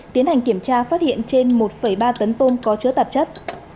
tiến hành kiểm tra phát hiện trên một ba tấn tôm có chứa tạp chất